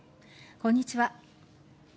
こんにちは。